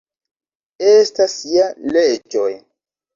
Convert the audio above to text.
Estas ja leĝoj.